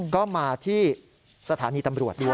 ก็มาที่สถานีตำรวจด้วย